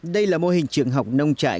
đây là mô hình trường học nông trại